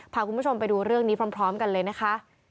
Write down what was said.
พาคุณผู้ชมไปดูเรื่องนี้พร้อมกันเลยนะคะ